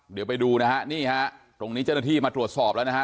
เดี๋ยวไปดูนะฮะนี่ฮะตรงนี้เจ้าหน้าที่มาตรวจสอบแล้วนะฮะ